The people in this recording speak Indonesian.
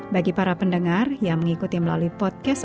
bagi para pendengar yang mengikuti melalui podcast